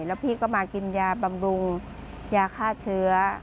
แล้วพี่ก็มากินยาบำรุงยาฆ่าเชื้อ